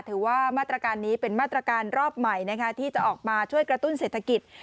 ถือว่ามาตรการนี้เป็นมาตรการรอบใหม่ที่จะออกมาช่วยกระตุ้นเศรษฐกิจ